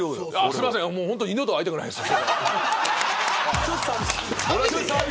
すみませんもう二度と会いたくないです。